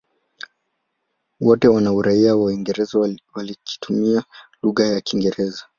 Wote wana uraia wa Uingereza wakitumia lugha ya Kiingereza.